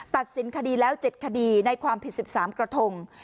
ตัดสินคดีแล้ว๗คดีในความผิด๑๓กระทง